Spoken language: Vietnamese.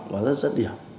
và rất rất điểm